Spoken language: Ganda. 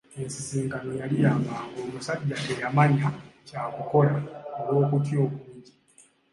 Ensisinkano yali yamangu, omusajja teyamanya kya kukola olw'okutya okungi.